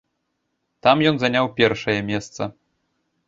Там ён заняў першае месца.